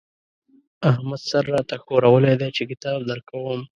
احمد سر را ته ښورولی دی چې کتاب درکوم.